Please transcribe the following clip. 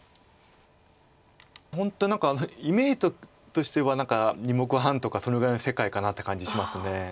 本当何かイメージとしては２目半とかそのぐらいの世界かなって感じします。